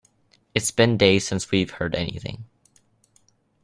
It's been days since we've heard anything.